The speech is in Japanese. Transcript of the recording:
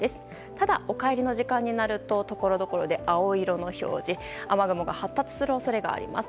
ただ、お帰りの時間になるとところどころで青色の表示雨雲が発達する恐れがあります。